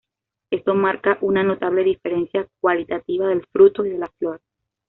Esto marca una notable diferencia cualitativa del fruto y de la flor.